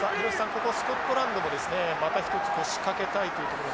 ここスコットランドもですねまた一つ仕掛けたいところ。